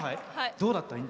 どうだった？